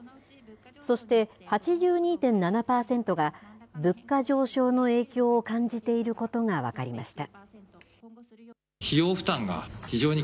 そして８２．７％が、物価上昇の影響を感じていることが分かりました。